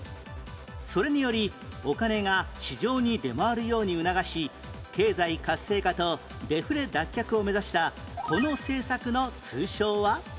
それによりお金が市場に出回るように促し経済活性化とデフレ脱却を目指したこの政策の通称は？